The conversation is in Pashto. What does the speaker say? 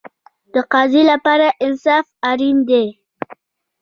د قاضي لپاره انصاف اړین دی